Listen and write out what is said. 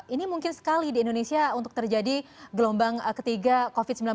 ini mungkin sekali di indonesia untuk terjadi gelombang ketiga covid sembilan belas